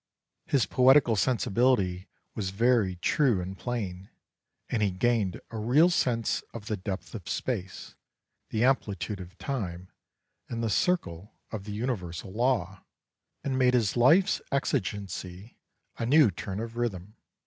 His poetical sensibility was very true and plain, and he gained a real sense of the depth of space, the amplitude of time, and the circle of the universal law, and made his life's exigency a new turn of rhythm.